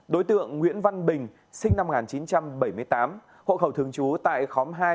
đối tượng nguyễn văn bình sinh năm một nghìn chín trăm bảy mươi tám hộ khẩu thường trú tại khóm hai